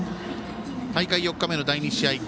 大会４日目の第２試合。